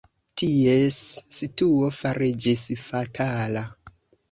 Ties situo fariĝis fatala.